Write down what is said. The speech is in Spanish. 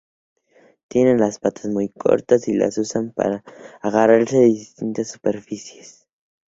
Tienen las patas muy cortas y las usan para agarrarse a las distintas superficies.